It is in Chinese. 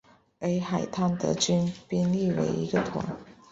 而海滩德军兵力为一个团。